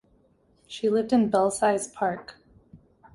She lived in Belsize Park.